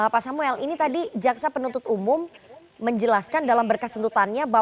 pak samuel ini tadi jaksa penuntut umum menjelaskan dalam berkas tuntutannya